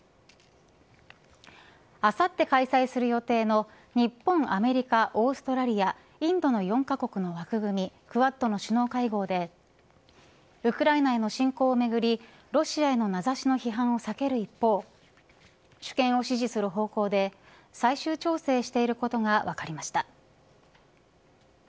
あさって開催する予定の日本、アメリカオーストラリア、インドの４カ国の枠組みクアッドの首脳会合でウクライナへの侵攻をめぐりロシアへの名指しの批判を避ける一方主権を支持する方向で最終調整していることが分かりました。